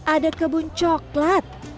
ada kebun coklat